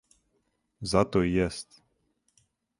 Зато и јест.